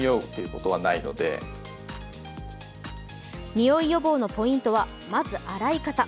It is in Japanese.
におい予防のポイントはまず洗い方。